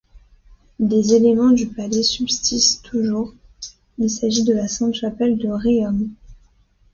Des éléments du palais subsistent toujours, il s'agit de la Sainte-Chapelle de Riom.